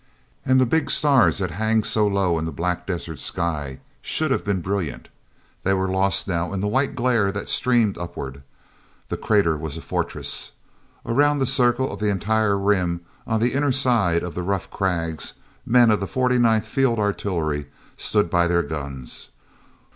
And the big stars that hang so low in the black desert sky should have been brilliant. They were lost now in the white glare that streamed upward. The crater was a fortress. Around the circle of the entire rim, on the inner side of the rough crags, men of the 49th Field Artillery stood by their guns.